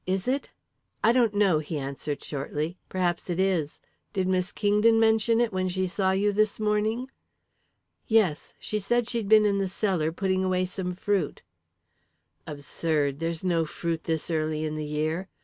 Is it?" "I don't know," he answered slowly. "Perhaps it is. Did Miss Kingdon mention it when she saw you this morning?" "Yes she said she'd been in the cellar, putting away some fruit." "Absurd! There's no fruit this early in the year.